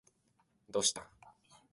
群馬県神流町